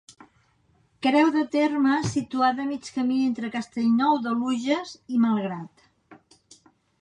Creu de terme situada a mig camí entre Castellnou d'Oluges i Malgrat.